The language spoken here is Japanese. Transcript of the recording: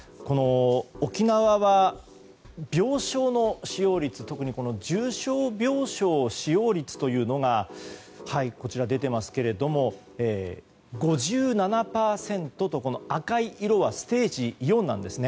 沖縄は病床使用率特に重症病床使用率というのが５７％と赤い色はステージ４なんですね。